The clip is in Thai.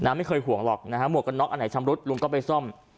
ไม่เคยห่วงหรอกนะฮะหมวกกันน็อกอันไหนชำรุดลุงก็ไปซ่อม